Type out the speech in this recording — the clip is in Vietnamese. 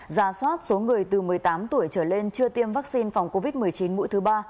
ra soát số người từ một mươi tám tuổi trở lên chưa tiêm vaccine phòng covid một mươi chín mũi thứ ba